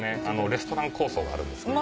レストラン構想があるんですね。